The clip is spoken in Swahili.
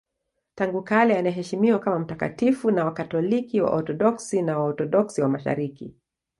Tangu kale anaheshimiwa kama mtakatifu na Wakatoliki, Waorthodoksi na Waorthodoksi wa Mashariki.